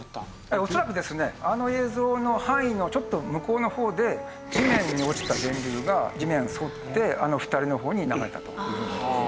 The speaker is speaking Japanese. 恐らくですねあの映像の範囲のちょっと向こうの方で地面に落ちた電流が地面を沿ってあの２人の方に流れたという事ですね。